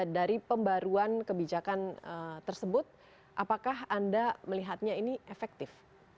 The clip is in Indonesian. dari pembaruan kebijakan tersebut apakah anda melihatnya ini efektif